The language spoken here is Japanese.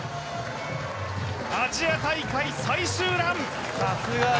アジア大会最終ラン。